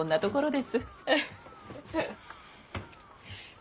で。